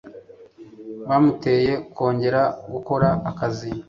Bamuteye kongera gukora akazi.